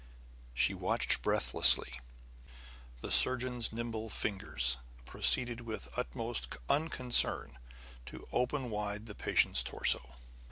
She watched breathlessly. The surgeon's nimble fingers proceeded with the utmost unconcern to open wide the patient's torso.